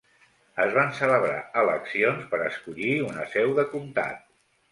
Es van celebrar eleccions per escollir una seu de comtat.